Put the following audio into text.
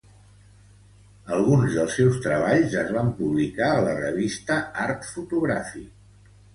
Alguns dels seus treballs es van publicar a la revista Art Fotogràfic.